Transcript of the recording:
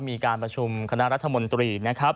มีการประชุมคณะรัฐมนตรีนะครับ